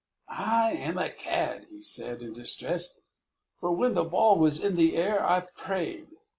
"I am a cad," he said in distress, "for when the ball was in the air I prayed."